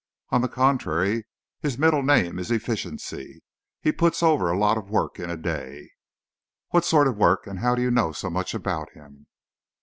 On the contrary, his middle name is efficiency! He puts over a lot of work in a day." "What sort of work and how do you know so much about him?"